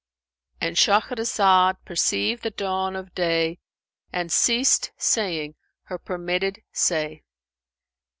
And Shahrazad perceived the dawn of day and ceased saying her permitted say.